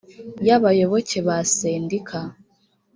y abayoboke ba sendika